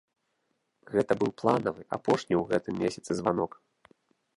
Гэта быў планавы, апошні ў гэтым месяцы званок.